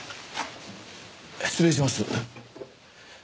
失礼します。